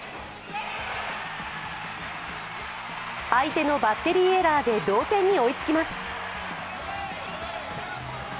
相手のバッテリーエラーで同点に追いつきます。